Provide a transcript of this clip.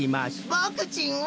ボクちんは。